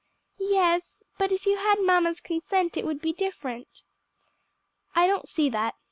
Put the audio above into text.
"Yes; but if you had mamma's consent it would be different." "I don't see that.